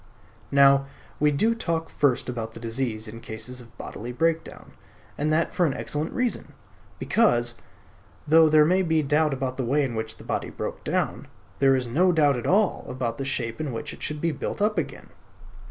Now we do talk first about the disease in cases of bodily breakdown; and that for an excellent reason. Because, though there may be doubt about the way in which the body broke down, there is no doubt at all about the shape in which it should be built up again.